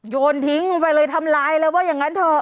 โยนทิ้งลงไปเลยทำลายเลยว่าอย่างนั้นเถอะ